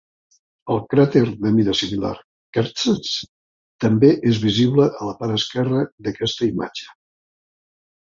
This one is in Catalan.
El cràter de mida similar Kertész també és visible a la part esquerra d'aquesta imatge.